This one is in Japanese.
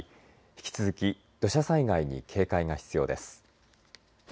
引き続き土砂災害に警戒が必要です。